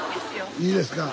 いいですか？